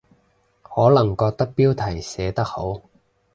可能覺得標題寫得好